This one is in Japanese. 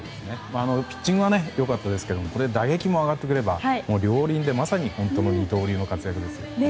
ピッチングは良かったですがこれで打撃も上がってくれば両輪でまさに二刀流の活躍ですね。